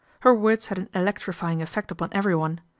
Her words lad an electrifying effect upon everyone.